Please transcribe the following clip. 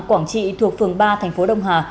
quảng trị thuộc phường ba tp đông hà